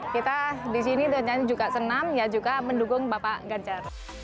kita disini juga senam ya juga mendukung bapak ganjar